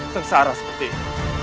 sengsara seperti ini